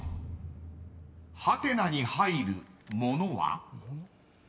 ［ハテナに入るものは？］